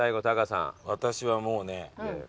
私はもうね。